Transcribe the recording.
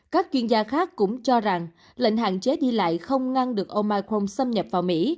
các chuyên gia khác cũng cho rằng lệnh hạn chế đi lại không ngăn được omicron xâm nhập vào mỹ